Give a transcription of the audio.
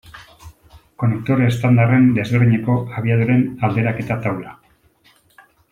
Konektore estandarren desberdineko abiaduren alderaketa taula.